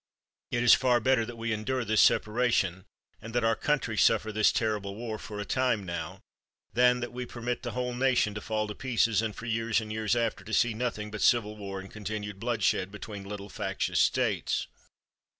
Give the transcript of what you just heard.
It is far better that we endure this separation and that our country suffer this terrible war for a time now, than that we permit the whole nation to fall to pieces, and for years and years after to see nothing but civil war and continued bloodshed between little factious States.